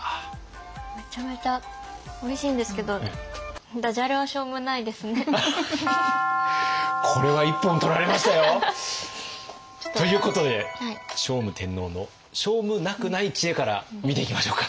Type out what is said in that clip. めちゃめちゃおいしいんですけどこれは一本取られましたよ！ということで聖武天皇のしょうむなくない知恵から見ていきましょうか。